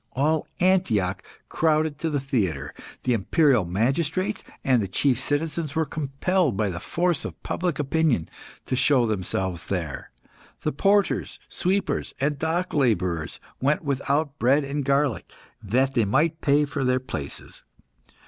All Antioch crowded to the theatre. The imperial magistrates and the chief citizens were compelled, by the force of public opinion, to show themselves there. The porters, sweepers, and dock labourers went without bread and garlic, that they might pay for their places.